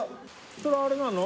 それはあれなの？